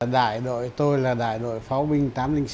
đại đội tôi là đại đội pháo binh tám trăm linh sáu